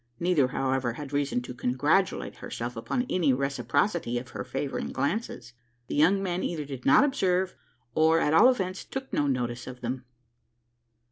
Neither, however, had reason to congratulate herself upon any reciprocity of her favouring glances. The young man either did not observe, or, at all events, took no notice of them.